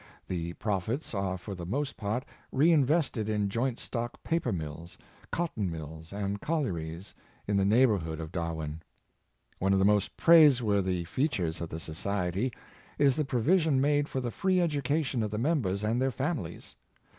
The profits are for the most part re invested in joint stock paper mills, cotton mills, and collieries, in the neighborhood of Darwen. One of the most praiseworthy features of the society is the provision made for the free education of the members and their families.